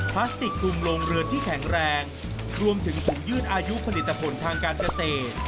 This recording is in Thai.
พลาสติกคลุมโรงเรือนที่แข็งแรงรวมถึงถุงยืดอายุผลิตผลทางการเกษตร